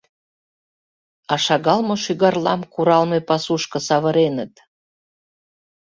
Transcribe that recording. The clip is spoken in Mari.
А шагал мо шӱгарлам куралме пасушко савыреныт?